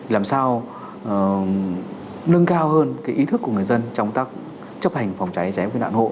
làm sao nâng cao hơn cái ý thức của người dân trong tác chấp hành phòng trái trái